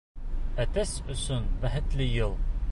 Әтәс өсөн бәхетле йыл.